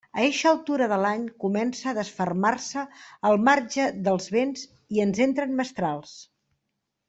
A eixa altura de l'any comença a desfermar-se el marge dels vents i ens entren mestrals.